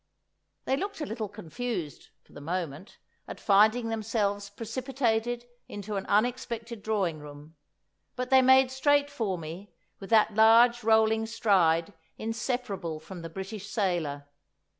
They looked a little confused, for the moment, at finding themselves precipitated into an unexpected drawing room; but they made straight for me, with that large, rolling stride inseparable from the British sailor.